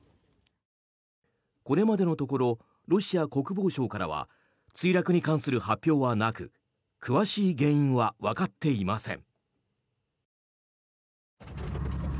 これまでのところロシア国防省からは墜落に関する発表はなく詳しい原因はわかっていません。